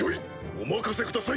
お任せください